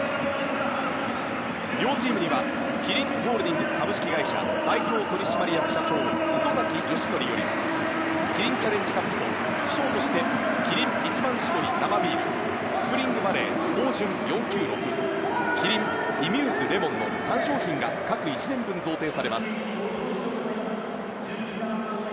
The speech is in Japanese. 両チームにはキリンホールディングス株式会社代表取締役社長、磯崎功典よりキリンチャレンジカップと副賞としてキリン一番搾り生ビールＳＰＲＩＮＧＶＡＬＬＥＹ豊潤４９６キリンｉＭＵＳＥレモンの３商品が各１年分、贈呈されます。